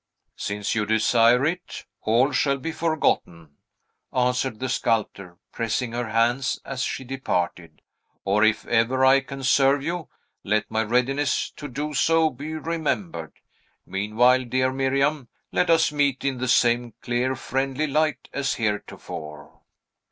"Since you desire it, all shall be forgotten," answered the sculptor, pressing her hand as she departed; "or, if ever I can serve you, let my readiness to do so be remembered. Meanwhile, dear Miriam, let us meet in the same clear, friendly light as heretofore."